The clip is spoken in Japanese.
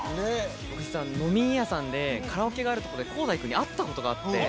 僕実は飲み屋さんでカラオケがある所で航大君に会ったことが。